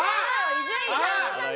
伊集院さん。